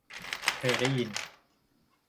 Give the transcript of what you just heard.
เคยได้ยิน